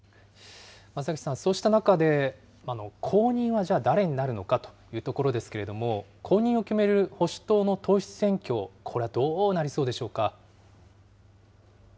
松崎さん、そうした中で後任は、じゃあ誰になるのかというところですけれども、後任を決める保守党の党首選挙、これはどうなりそうでしょうか。